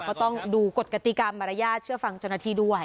ก็ต้องดูกฎกติกรรมมารยาทเชื่อฟังเจ้าหน้าที่ด้วย